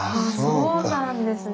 そうなんですね。